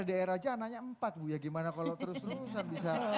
ibu dan bapak ldr aja nanya empat bu ya gimana kalau terus terusan bisa